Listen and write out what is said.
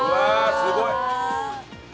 すごい！